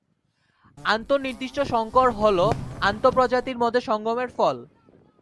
আন্ত-নির্দিষ্ট সংকর হল আন্ত-প্রজাতির মধ্যে সঙ্গমের ফল।